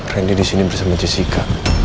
rendy disini bersama jessica